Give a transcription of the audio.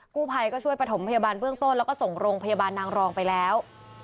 กู้ภัยก็ช่วยประถมพยาบาลเบื้องต้นแล้วก็ส่งโรงพยาบาลนางรองไปแล้ว